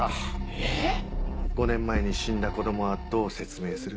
えっ⁉５年前に死んだ子供はどう説明する？